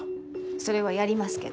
それはやりますけど。